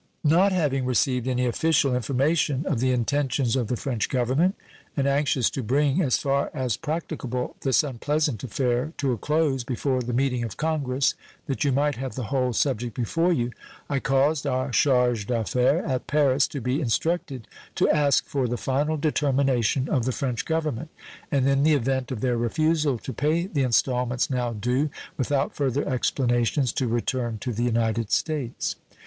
Not having received any official information of the intentions of the French Government, and anxious to bring, as far as practicable, this unpleasant affair to a close before the meeting of Congress, that you might have the whole subject before you, I caused our charge d'affaires at Paris to be instructed to ask for the final determination of the French Government, and in the event of their refusal to pay the installments now due, without further explanations to return to the United States.